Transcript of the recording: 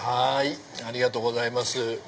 ありがとうございます。